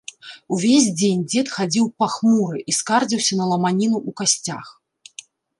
Увесь дзень дзед хадзіў пахмуры і скардзіўся на ламаніну ў касцях.